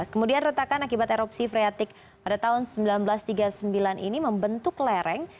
kemudian retakan akibat erupsi freatik pada tahun seribu sembilan ratus tiga puluh sembilan ini membentuk lereng